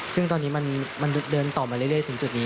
ซึ่งตอนนี้มันเดินต่อมาเรื่อยถึงจุดนี้